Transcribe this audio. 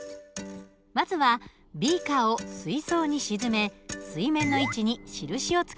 まずはビーカーを水槽に沈め水面の位置に印をつけます。